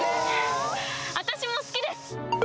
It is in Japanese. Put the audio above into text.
私も好きです！